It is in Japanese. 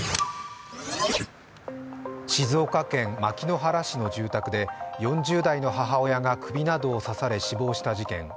静岡県牧之原市の住宅で４０代の母親が首などを刺され死亡した事件。